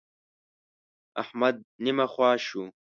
احمد نيمه خوا شو.